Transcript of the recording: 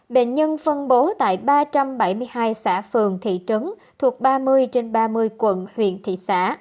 bệnh nhân phân bố tại ba trăm bảy mươi hai xã phường thị trấn thuộc ba mươi trên ba mươi quận huyện thị xã